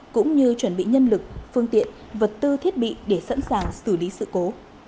cũng như chuẩn bị nhân lực phương tiện vật tư thiết bị để sẵn sàng xử lý sự cố